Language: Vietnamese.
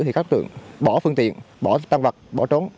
thì các tượng bỏ phương tiện bỏ tăng vật bỏ trốn